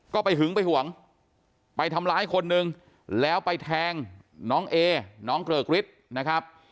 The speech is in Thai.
ก็ไปหึงไปห่วงไปทำร้ายคนนึงแล้วไปแทงน้องเอน้องเกริกฤทธิ์นะครับ